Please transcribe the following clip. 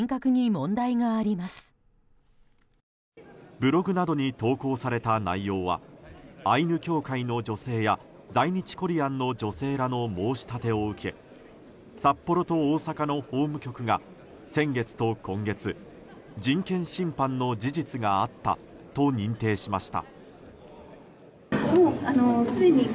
ブログなどに投稿された内容はアイヌ協会の女性や在日コリアンの女性らの申し立てを受け札幌と大阪の法務局が先月と今月人権侵犯の事実があったと認定しました。